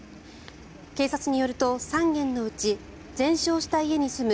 警察によると３軒のうち、全焼した家に住む